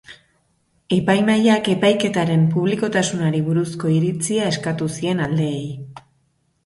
Epaimahaiak epaiketaren publikotasunari buruzko iritzia eskatu zien aldeei.